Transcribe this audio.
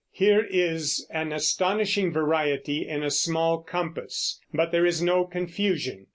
Here is an astonishing variety in a small compass; but there is no confusion.